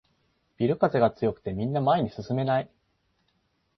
ビル風が強くてみんな前に進めない